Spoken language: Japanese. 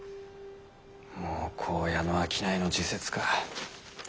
もう紺屋の商いの時節か。